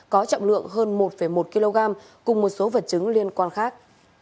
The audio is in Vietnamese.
có trọng lượng hơn một một kg cùng một số vật chứng liên quan khác